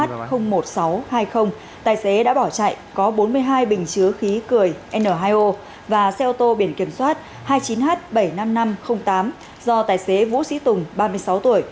tài xế đã bỏ chạy có bốn mươi hai bình chứa khí cười n hai o và xe ô tô biển kiểm soát hai mươi chín h bảy mươi năm nghìn năm trăm linh tám do tài xế vũ sĩ tùng ba mươi sáu tuổi